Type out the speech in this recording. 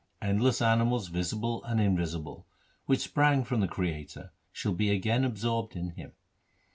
Endless animals visible and invisible, which sprang from the Creator, shall be again absorbed in Him.